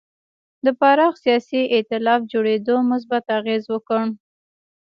د پراخ سیاسي اېتلاف جوړېدو مثبت اغېز وکړ.